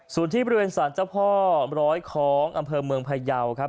ส่วนที่บริเวณสารเจ้าพ่อร้อยคล้องอำเภอเมืองพยาวครับ